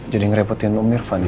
jadi ngerepotin om irfan ini